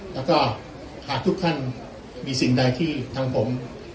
แล้วก็หากทุกท่านมีสิ่งใดที่ทางผม